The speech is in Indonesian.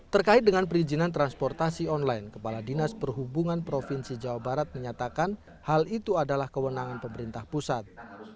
terkait dengan perizinan transportasi online kepala dinas perhubungan provinsi jawa barat menyatakan hal itu adalah kewenangan pemerintah pusat